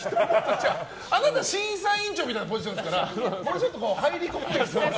あなた審査委員長みたいなポジションですからもうちょっと入り込まないと。